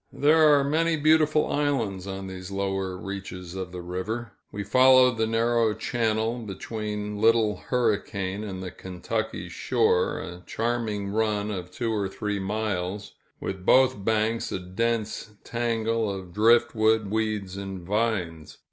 There are many beautiful islands on these lower reaches of the river. We followed the narrow channel between Little Hurricane and the Kentucky shore, a charming run of two or three miles, with both banks a dense tangle of drift wood, weeds and vines.